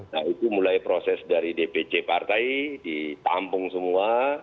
nah itu mulai proses dari dpc partai ditampung semua